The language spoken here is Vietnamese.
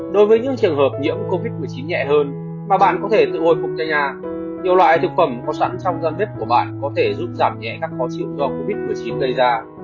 đối với những trường hợp nhiễm covid một mươi chín nhẹ hơn mà bạn có thể tự hồi phục cho a nhiều loại thực phẩm có sẵn trong gian bếp của bạn có thể giúp giảm nhẹ các món chim do covid một mươi chín gây ra